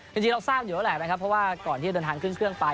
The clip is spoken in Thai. จริงเราทราบอยู่แล้วแหละนะครับเพราะว่าก่อนที่จะเดินทางขึ้นเครื่องไป